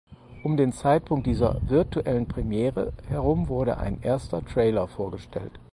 Um den Zeitpunkt dieser „virtuellen Premiere“ herum wurde ein erster Trailer vorgestellt.